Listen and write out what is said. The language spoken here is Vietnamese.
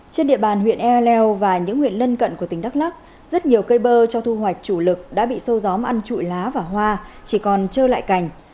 trên địa bàn huyện ea leo và những huyện lân cận của tỉnh đắk lắc rất nhiều cây bơ cho thu hoạch chủ lực đã bị sâu gió ăn trụi lá và hoa chỉ còn trơ lại cành